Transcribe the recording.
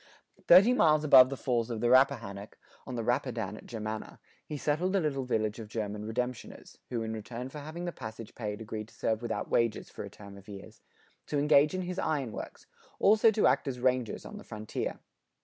Thirty miles above the falls of the Rappahannock, on the Rapidan at Germanna,[90:2] he settled a little village of German redemptioners (who in return for having the passage paid agreed to serve without wages for a term of years), to engage in his iron works, also to act as rangers on the frontier.